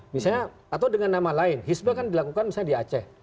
misalnya atau dengan nama lain histo kan dilakukan misalnya di aceh